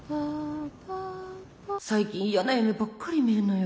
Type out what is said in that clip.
最近やな夢ばっかり見るのよ。